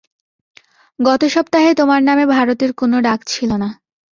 গত সপ্তাহে তোমার নামে ভারতের কোন ডাক ছিল না।